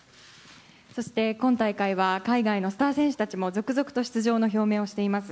そして、今大会は海外のスター選手たちも続々と出場の表明をしています。